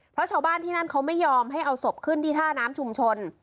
เพราะชาวบ้านที่นั่นเขาไม่ยอมให้เอาศพขึ้นที่ท่าน้ำชุมชน